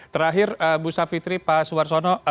terakhir bu savitri pak suwarsono